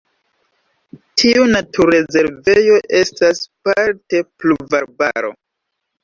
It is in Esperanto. Tiu naturrezervejo estas parte pluvarbaro.